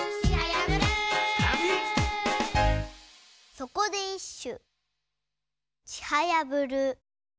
そこでいっしゅ。